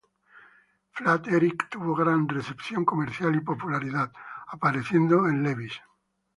Flat Eric tuvo gran recepción comercial y popularidad, apareciendo en Levi's.